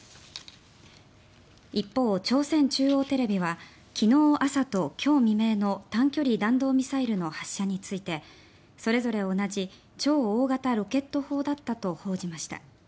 一方、朝鮮中央テレビは昨日朝と今日未明の短距離弾道ミサイルの発射についてそれぞれ同じ超大型ロケット砲だったと報じました。